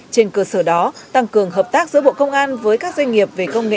trên cơ sở đó tăng cường hợp tác giữa bộ công an với các doanh nghiệp về công nghệ